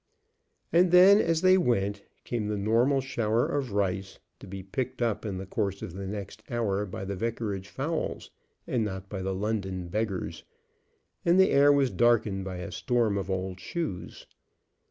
And then, as they went, came the normal shower of rice, to be picked up in the course of the next hour by the vicarage fowls, and not by the London beggars, and the air was darkened by a storm of old shoes.